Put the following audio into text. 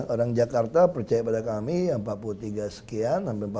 orang jakarta percaya pada kami yang empat puluh tiga sekian sampai empat puluh lima